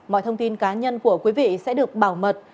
mọi thông tin cá nhân của quý vị sẽ được bảo mật